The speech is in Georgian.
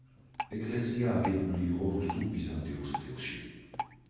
ეკლესია აგებული იყო რუსულ-ბიზანტიურ სტილში.